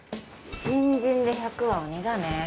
新人で１００は鬼だね。